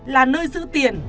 là nơi giữ tiền